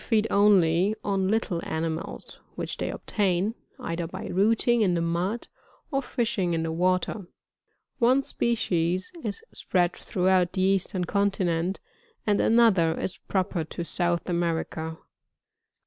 feed only on little animals which they obtain, either by rooting in the mud, or fishing in the water One species is spread throughout the eastern continent, and another is proper to South America.